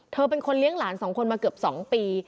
เธอเป็นคนเลี้ยงหลานสองคนมาเกือบ๒ปี